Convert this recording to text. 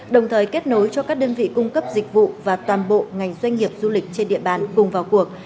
đồng thời kết nối cho các đơn vị cung cấp dịch vụ và toàn bộ ngành doanh nghiệp du lịch trên địa bàn cùng vào cuộc